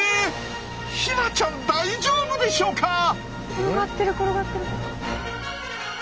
⁉転がってる転がってる。